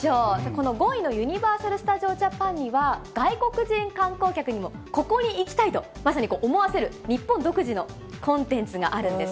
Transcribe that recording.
この５位のユニバーサル・スタジオ・ジャパンには、外国人観光客にもここに行きたいと、まさに思わせる日本独自のコンテンツがあるんです。